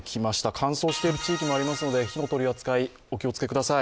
乾燥している地域もありますので、火の取り扱い、ご注意ください。